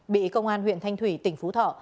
bị công an huyện thanh thủy tỉnh phú thọ